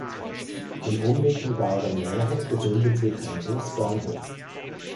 In unmittelbarer Nähe befindet sich ein Busbahnhof.